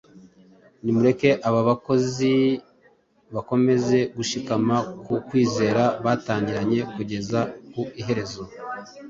Nimureke aba bakozi bakomeze gushikama ku kwizera batangiranye kugeza ku iherezo,